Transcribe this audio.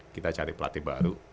kita cari pelatih baru